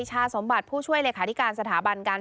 ใช่ค่ะ